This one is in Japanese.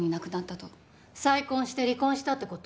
再婚して離婚したって事？